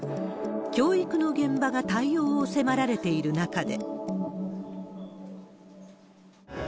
教育の現場が対応を迫られている中で。